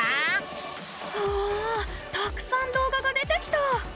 うわたくさん動画が出てきた！